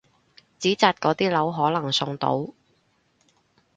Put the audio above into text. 紙紮嗰啲樓可能送到！